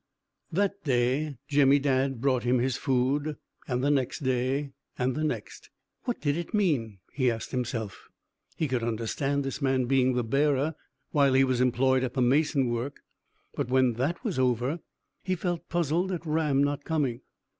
That day Jemmy Dadd brought him his food, and the next day, and the next. "What did it mean?" he asked himself. He could understand this man being the bearer while he was employed at the mason work; but when that was over, he felt puzzled at Ram not coming.